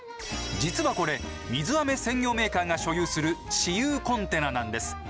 実はこれ水あめ専業メーカーが所有する私有コンテナなんです。